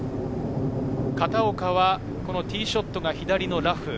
片岡はティーショットが左のラフ。